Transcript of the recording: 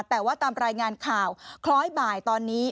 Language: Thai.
แต่ว่าตามรายงานข่าวคล้อยบ่ายตอนนี้